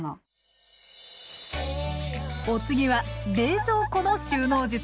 お次は冷蔵庫の収納術。